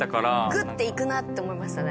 グッていくなって思いましたね。